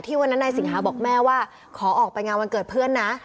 วันนั้นนายสิงหาบอกแม่ว่าขอออกไปงานวันเกิดเพื่อนนะ